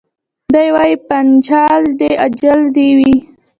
دی وايي پنچال دي اجل دي وي